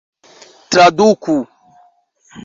traduku